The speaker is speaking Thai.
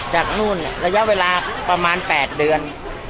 หลายละ๘เดือน